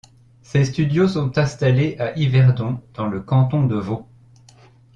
Ses studios sont installés à Yverdon, dans le Canton de Vaud.